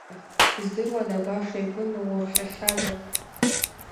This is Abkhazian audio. Издыруада, баша игәы нурхахьазар?